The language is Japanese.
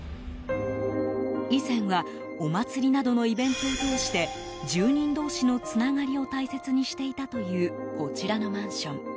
以前はお祭りなどのイベントを通して住人同士のつながりを大切にしていたというこちらのマンション。